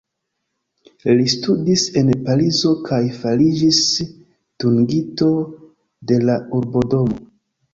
Li studis en Parizo kaj fariĝis dungito de la Urbodomo.